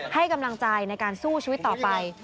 ให้กำลังใจในการสู้ชีวิตต่อไป